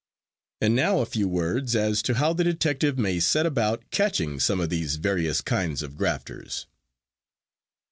And now a few words as to how the detective may set about catching some of these various kinds of grafters.